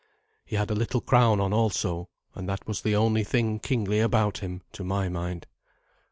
He had a little crown on also, and that was the only thing kingly about him, to my mind.